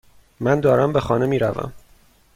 من دارم به خانه میروم.